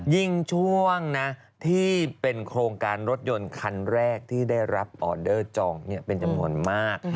ยิ่งช่วงนะที่เป็นโครงการรถยนต์คันแรกที่ได้รับออเดอร์จองเป็นจำนวนมาก